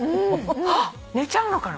あっ寝ちゃうのかな？